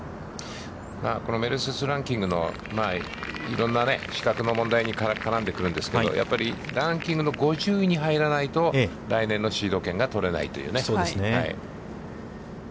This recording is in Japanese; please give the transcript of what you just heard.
このメルセデス・ランキングのいろんな比較の問題に絡んでくるんですけれども、やっぱりランキングの５０位に入らないと、来年のシード権が取れないというね。